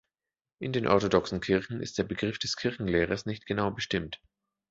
In den orthodoxen Kirchen ist der Begriff des Kirchenlehrers nicht genau bestimmt.